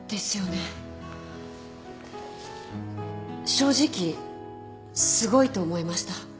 正直すごいと思いました。